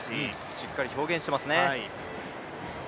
しっかり表現してますね。